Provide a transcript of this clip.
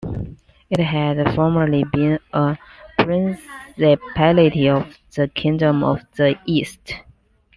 It had formerly been a principality of the Kingdom of the East.